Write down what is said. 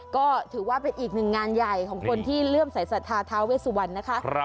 ก็ถือว่าเป็นอีกหนึ่งงานใหญ่ของคนที่เลื่อมสายศรัทธาท้าเวสุวรรณนะคะ